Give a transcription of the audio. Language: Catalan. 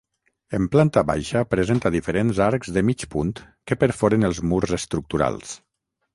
En planta baixa presenta diferents arcs de mig punt que perforen els murs estructurals.